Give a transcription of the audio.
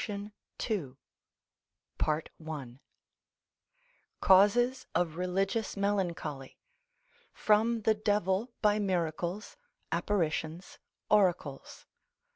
SUBSECT. II.—_Causes of Religious melancholy. From the Devil by miracles, apparitions, oracles.